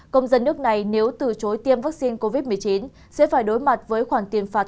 công dân nước này nếu từ chối tiêm vaccine covid một mươi chín sẽ phải đối mặt với khoản tiền phạt